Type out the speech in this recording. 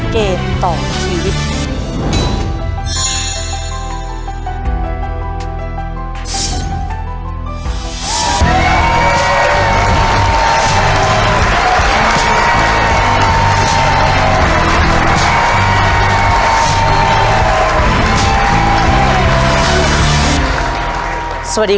เกมต่อชีวิต